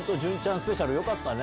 スペシャルよかったね。